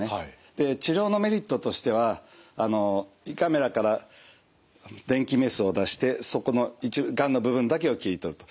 で治療のメリットとしては胃カメラから電気メスを出してそこのがんの部分だけを切り取ると。